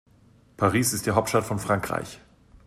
Paris ist die Hauptstadt von Frankreich.